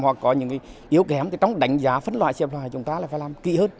hoặc có những cái yếu kém thì trong đánh giá phấn loại xếp loại chúng ta lại phải làm kỹ hơn